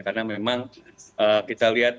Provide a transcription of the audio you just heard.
karena memang kita lihat